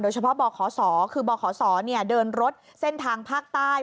เฉพาะบขศคือบขศเดินรถเส้นทางภาคใต้